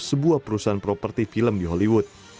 sebuah perusahaan properti film di hollywood